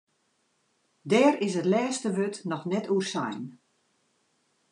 Dêr is it lêste wurd noch net oer sein.